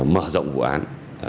mở rộng vụ án